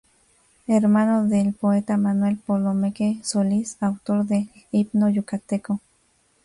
Hermano del poeta Manuel Palomeque Solís, autor del Himno yucateco.